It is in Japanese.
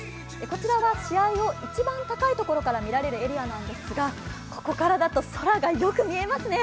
こちらは試合を一番高いところから見られるエリアなんですがここからだと空がよく見えますね。